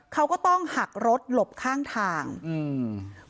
เขาก็ต้องหักรถหลบข้างทางอืม